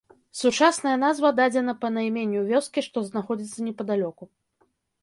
Сучасная назва дадзена па найменню вёскі, што знаходзіцца непадалёку.